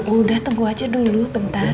udah tunggu aja dulu bentar